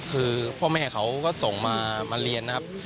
คือพ่อแม่เขาก็ส่งมาเรียนนะครับ